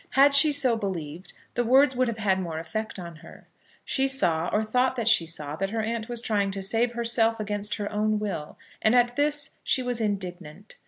Had she so believed, the words would have had more effect on her. She saw, or thought that she saw, that her aunt was trying to save herself against her own will, and at this she was indignant.